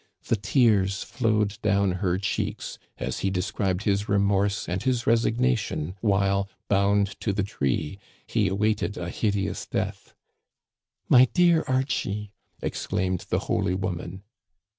The tears flowed down her cheeks as he described his remorse and his resignation while, bound to the tree, he awaited a hideous death. " My dear Archie," exclaimed the holy woman.